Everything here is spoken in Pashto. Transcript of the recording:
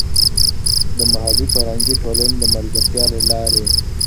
د محلي فرهنګي ټولنې د ملګرتیا له لارې.